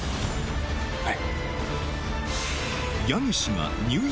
はい。